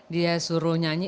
dia suruh nyanyi